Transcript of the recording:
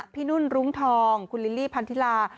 นุ่นรุ้งทองคุณลิลลี่พันธิลา